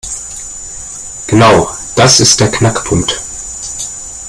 Genau das ist der Knackpunkt.